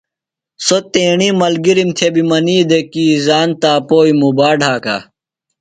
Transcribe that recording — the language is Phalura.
سوۡ تیݨی ملگِرِم تھےۡ بیۡ منی دےۡ کی زان تاپوئیۡ موبا ڈھکانُوۡ۔